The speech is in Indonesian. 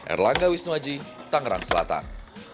erlangga wisnuwaji tangerang selatan